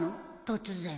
突然